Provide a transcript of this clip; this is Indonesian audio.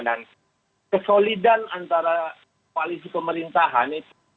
dan kesolidan antara kualisi pemerintahan itu